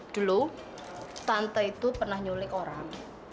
dulu tante itu pernah nyulik orang